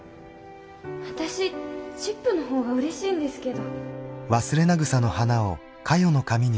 私チップの方がうれしいんですけど。